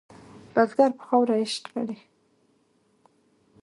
بزګر په خاوره عشق لري